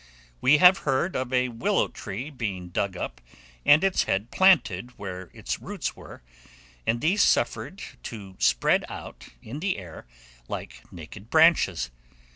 We have heard of a willow tree being dug up and its head planted where its roots were, and these suffered to spread out in the air like naked branches.